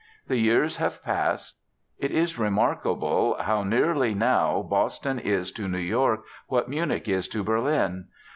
The years have passed. It is remarkable how nearly now Boston is to New York what Munich is to Berlin.